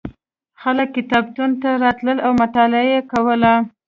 خلک کتابتون ته راتلل او مطالعه یې کوله.